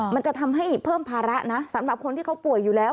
มันจะทำให้เพิ่มภาระนะสำหรับคนที่เขาป่วยอยู่แล้ว